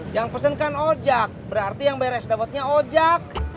yang pesen kan ojak berarti yang bayar es dawatnya ojak